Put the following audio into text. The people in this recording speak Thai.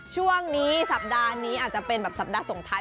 ช่วงนี้สัปดาห์นี้อาจจะเป็นแบบสัปดาห์ส่งท้าย